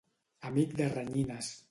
Amic de renyines.